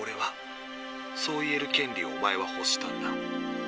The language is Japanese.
そう言える権利をおまえは欲したんだ。